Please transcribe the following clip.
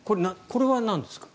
これはなんですか？